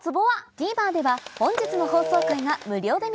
ＴＶｅｒでは本日の放送回が無料で見られます